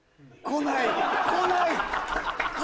こない！